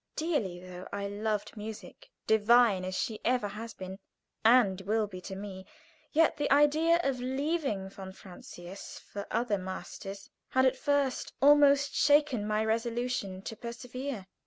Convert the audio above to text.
Dearly though I loved music, divine as she ever has been, and will be, to me, yet the idea of leaving von Francius for other masters had at first almost shaken my resolution to persevere.